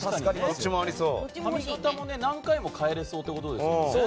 髪形も何回も変えられるってことですよね。